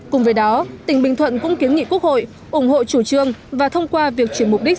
cùng với đó tỉnh bình thuận cũng kiến nghị quốc hội ủng hộ chủ trương và thông qua việc chuyển mục đích